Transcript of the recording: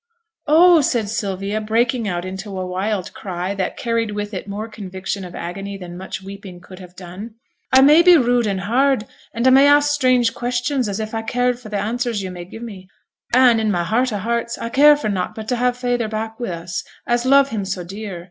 'Oh!' said Sylvia, breaking out into a wild cry, that carried with it more conviction of agony than much weeping could have done. 'I may be rude and hard, and I may ask strange questions, as if I cared for t' answers yo' may gi' me; an', in my heart o' hearts, I care for nought but to have father back wi' us, as love him so dear.